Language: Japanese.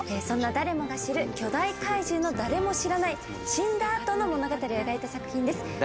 そんな誰もが知る巨大怪獣の誰も知らない死んだ後の物語を描いた作品です。